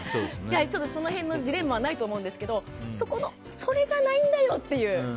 その辺のジレンマはないと思うんですけどそこのそれじゃないんだよっていう。